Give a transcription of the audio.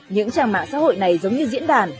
những trang mạng xã hội này giống như diễn đàn